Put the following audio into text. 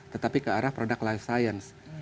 tetapi ke arah produk life science